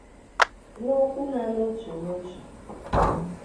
N'okwu ha n'otu n'otù